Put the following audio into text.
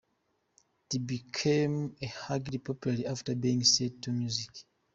It became a hugely popular after being set to music.